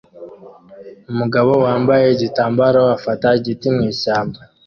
Umugabo wambaye igitambaro afata igiti mwishyamba